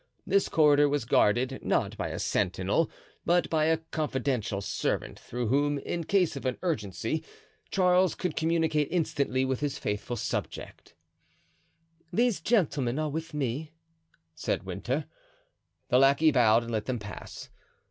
This corridor was guarded, not by a sentinel, but by a confidential servant, through whom, in case of urgency, Charles could communicate instantly with his faithful subject. "These gentlemen are with me," said Winter. The lackey bowed and let them pass.